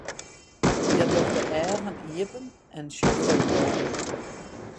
Hja docht de eagen iepen en sjocht him oan.